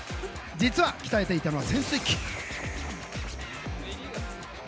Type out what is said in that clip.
実は、鍛えていたのは潜水キック。